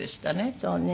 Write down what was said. そうね。